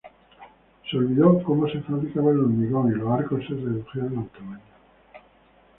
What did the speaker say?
Se olvidó cómo se fabricaba el hormigón y los arcos se redujeron en tamaño.